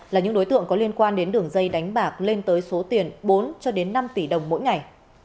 là những đối tượng có liên quan đến đường dây đánh bạc lên tới số tiền bốn cho đến năm tỷ đồng mỗi ngày